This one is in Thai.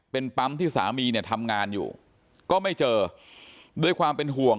เป็นปั๊มที่สามีเนี่ยทำงานอยู่ก็ไม่เจอด้วยความเป็นห่วง